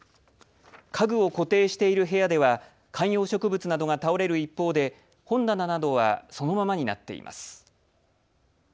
家具を固定している部屋では観葉植物などが倒れる一方で本棚などはそのままになっています。